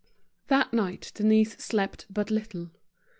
That night Denise slept but little.